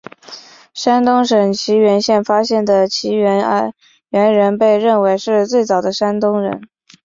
山东省沂源县发现的沂源猿人被认为是最早的山东人。